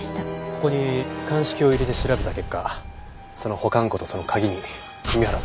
ここに鑑識を入れて調べた結果その保管庫とその鍵に弓原さんの指紋があったんです。